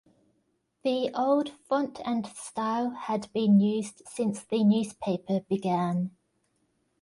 The old font and style had been used since the newspaper began.